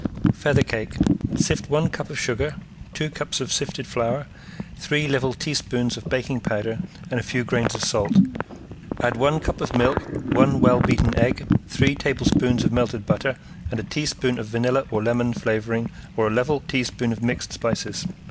~FEATHER CAKE~ Sift one cup of sugar, two cups of sifted flour, three level teaspoons of baking powder and a few grains of salt. Add one cup of milk, one well beaten egg, three tablespoons of melted butter and a teaspoon of vanilla or lemon flavoring or a level teaspoon of mixed spices.